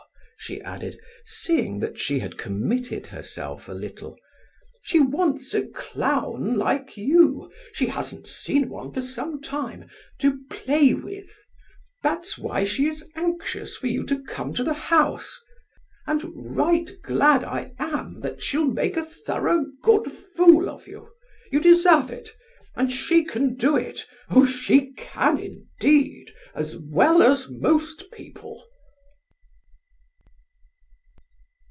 she added, seeing that she had committed herself a little. "She wants a clown like you—she hasn't seen one for some time—to play with. That's why she is anxious for you to come to the house. And right glad I am that she'll make a thorough good fool of you. You deserve it; and she can do it—oh! she can, indeed!—as well as most people."